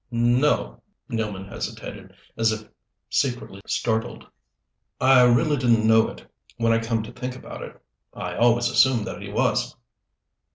"No." Nealman hesitated, as if secretly startled. "I really didn't know it, when I come to think about it. I always assumed that he was."